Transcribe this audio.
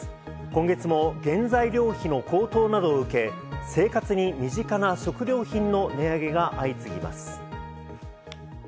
今月も原材料費の高騰などを受け、生活に身近な食料品の値上げが相次ぎます。